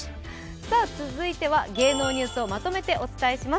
続いては芸能ニュースをまとめてお伝えします。